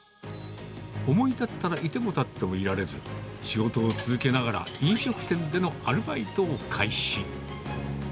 思い立ったらいてもたってもいられず、仕事を続けながら、飲食店でのアルバイトを開始。